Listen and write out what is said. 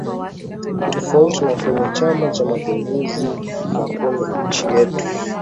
tofauti na kwenye chama cha mapinduzi na kwenye nchi yetu